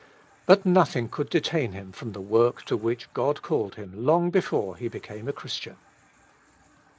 But nothing could detain him from the work to which God called him long before he became a Christian.